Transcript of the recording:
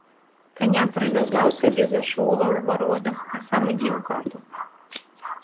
Каня прывязаў сабе за шула ў варотах, а сам ідзе ў хату.